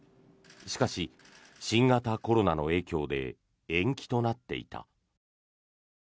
しかし、新型コロナの影響で延期となっていた。